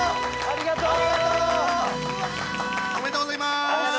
ありがとうございます。